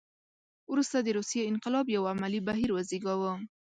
وروسته د روسیې انقلاب یو عملي بهیر وزېږاوه.